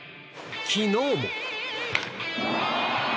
昨日も。